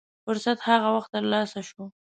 فرصت هغه وخت تر لاسه شو.